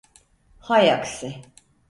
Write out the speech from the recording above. Hay aksi!